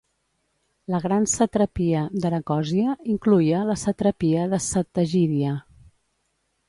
La gran satrapia d'Aracòsia incloïa la satrapia de Sattagídia.